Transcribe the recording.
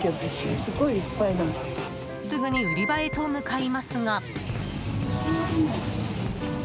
すぐに売り場へと向かいますが。